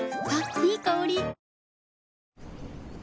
いい香り。